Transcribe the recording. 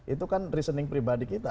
itu kan reasoning pribadi kita